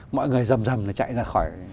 mọi người dầm dầm chạy ra khỏi